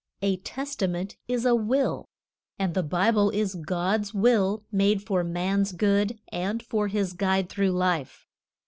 A Testament is a will; and the Bible is God's will made for man's good, and for his guide through life.